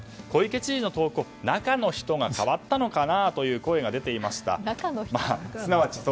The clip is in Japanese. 小池都知事の投稿中の人が変わったのかという声が出ていました。